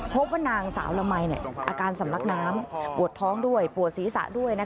พบว่านางสาวละมัยอาการสำลักน้ำปวดท้องด้วยปวดศีรษะด้วย